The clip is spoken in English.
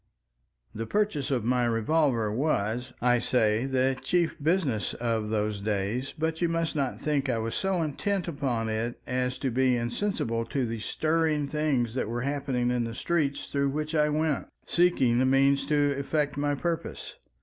The purchase of my revolver was, I say, the chief business of those days, but you must not think I was so intent upon it as to be insensible to the stirring things that were happening in the streets through which I went seeking the means to effect my purpose.